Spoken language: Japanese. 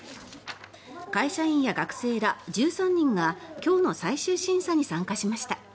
会社員や学生ら１３人が今日の最終審査に参加しました。